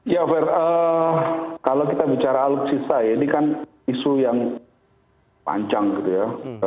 ya kalau kita bicara alutsista ya ini kan isu yang panjang gitu ya